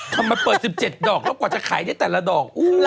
เปิด๑๗ดอกแล้วกว่าจะขายได้แต่ละดอก